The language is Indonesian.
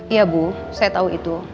iya bu saya tahu itu